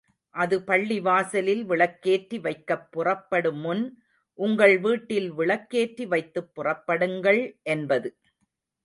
அது பள்ளிவாசலில் விளக்கேற்றி வைக்கப் புறப்படு முன் உங்கள் வீட்டில் விளக்கேற்றி வைத்துப் புறப்படுங்கள் என்பது.